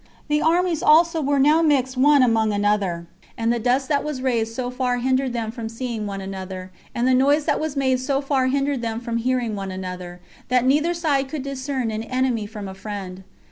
The armies also were now mixed one among another, and the dust that was raised so far hindered them from seeing one another, and the noise that was made so far hindered them from hearing one another, that neither side could discern an enemy from a friend.